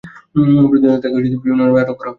প্রতিনিয়ত তাকে বিভিন্ন নামে আটক করা হচ্ছে।